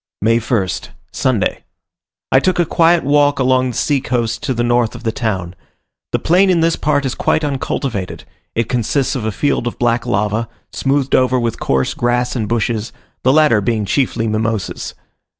May 1st. Sunday. I took a quiet walk along the sea coast to the north of the town. The plain in this part is quite uncultivated; it consists of a field of black lava, smoothed over with coarse grass and bushes, the latter being chiefly Mimosas.